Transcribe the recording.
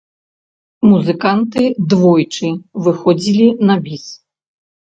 Музыканты двойчы выходзілі на біс.